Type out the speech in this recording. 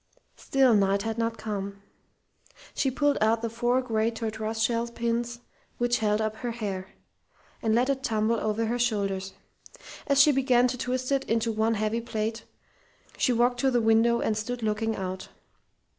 Still Knight had not come. She pulled out the four great tortoise shell pins which held up her hair, and let it tumble over her shoulders. As she began to twist it into one heavy plait, she walked to the window and stood looking out.